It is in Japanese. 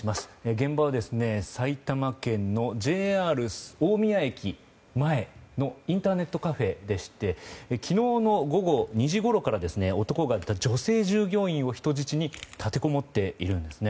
現場は埼玉県のＪＲ大宮駅前のインターネットカフェでして昨日の午後２時ごろから男が女性従業員を人質に立てこもっているんですね。